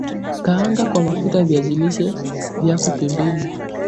kaanga kwa mafuta viazi lishe vyako pembeni